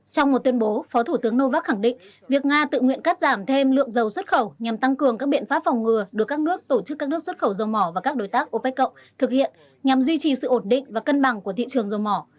trong một tuyên bố phó thủ tướng novak khẳng định việc nga tự nguyện cắt giảm thêm lượng dầu xuất khẩu nhằm tăng cường các biện pháp phòng ngừa được các nước tổ chức các nước xuất khẩu dầu mỏ và các đối tác opec cộng thực hiện nhằm duy trì sự ổn định và cân bằng của thị trường dầu mỏ